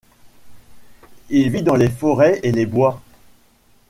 Il vit dans les forêts et les bois.